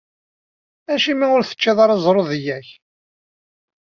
Acimi ur teččiḍ ara zrudeyya-k?